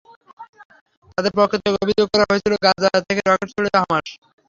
তাদের পক্ষ থেকে অভিযোগ করা হয়েছিল, গাজা থেকে রকেট ছুড়ছে হামাস।